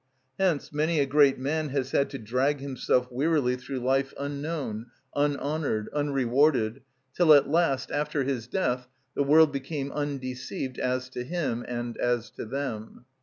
Hence many a great man has had to drag himself wearily through life unknown, unhonoured, unrewarded, till at last, after his death, the world became undeceived as to him and as to them.